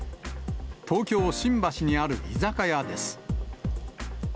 東京・新橋にある居酒屋です。